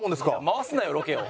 回すなよロケを。